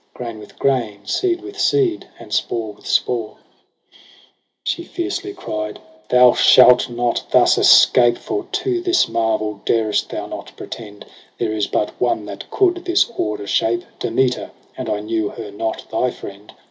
Grain with grain, seed with seed, and spore with spore. .7 She fiercely cried ' Thou shalt not thus escape j For to this marvel dar'st thou not pretend. There is but one that coud this order shape, Demeter, — but I knew her not thy friend.